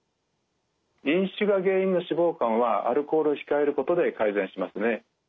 飲酒が原因の脂肪肝はアルコールを控えることで改善しますね。